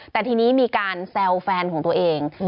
แต่ทีนี้มีการแซวแฟนของตัวเอง